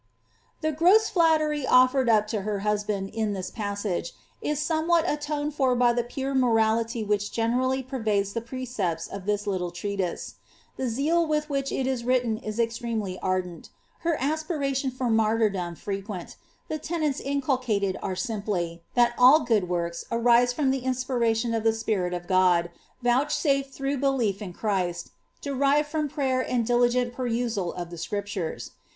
The gross flattery offered up to her husband in this passage, is some what atoned for by the pure morality wliich generally pervades the pre cepts of this little treatise. The zeal with which it is written is ex tremely ardent^ her aspiration for martyrdom frequent ; the tenets inculcated are simply, that all good works arise from the inspiration of the Spirit of God, vouchsafed through belief in Christ, derived from player and diligent perusal of the Scriptures.